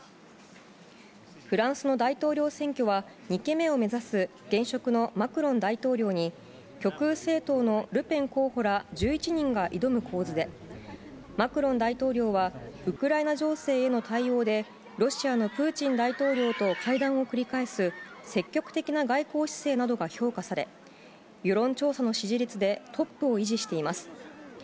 フランスの大統領選挙は、２期目を目指す現職のマクロン大統領に、極右政党のルペン候補ら１１人が挑む構図で、マクロン大統領は、ウクライナ情勢への対応で、ロシアのプーチン大統領と会談を繰り返す積極的な外交姿勢などが評価され、世論調査の支持率でトップを維持しています。